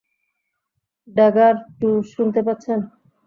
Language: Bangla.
ড্যাগার টু, শুনতে পাচ্ছেন?